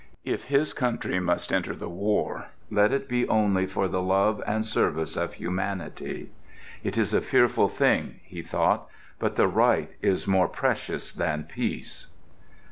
If his country must enter the war let it be only for the love and service of humanity. "It is a fearful thing," he thought, "but the right is more precious than peace."